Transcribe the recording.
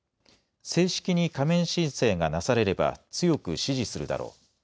正式に加盟申請がなされれば強く支持するだろう。